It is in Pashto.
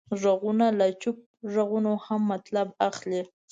غوږونه له چوپ غږونو هم مطلب اخلي